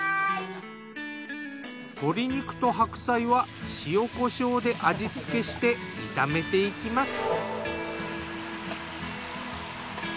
鶏肉と白菜は塩コショウで味付けして炒めていきます。